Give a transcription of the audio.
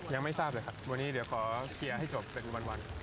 ยังไม่ทราบเลยครับวันนี้เดี๋ยวขอเคลียร์ให้จบเป็นวัน